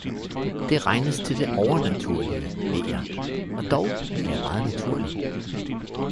den regnes til det overnaturlige, ved jeg, og dog er jeg meget naturlig.